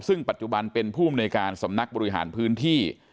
ซึ่งปัจจุบันเป็นผู้อำนวยการสำนักบริหารพื้นที่